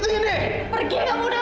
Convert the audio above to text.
indi mau ngapain pak